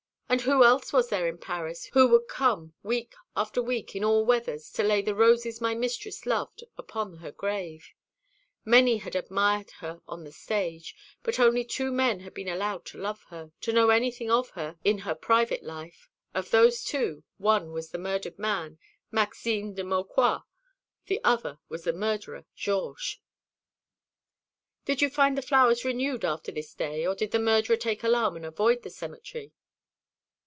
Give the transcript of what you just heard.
And who else was there in Paris who would come week after week, in all weathers, to lay the roses my mistress loved upon her grave? Many had admired her on the stage; but only two men had been allowed to love her, to know anything of her in her private life. Of those two, one was the murdered man, Maxime de Maucroix; the other was the murderer Georges." "Did you find the flowers renewed after this day, or did the murderer take alarm and avoid the cemetery?"